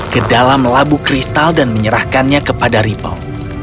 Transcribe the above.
kedalam labu kristal dan menyerahkannya kepada ripel